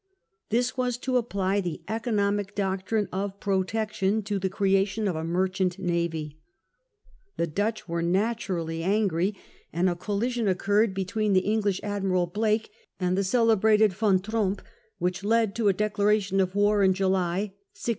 This was to apply the economic doctrine of " protection " to the creation of a merchant navy. The Dutch were naturally angry, and a collision occurred be CROMWELL SUPREME. 63 tween the English admiral Blake and the celebrated Van Tromp, which led to a declaration of war in July, 1652.